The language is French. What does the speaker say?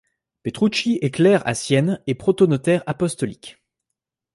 Petrucci est clerc à Sienne et protonotaire apostolique.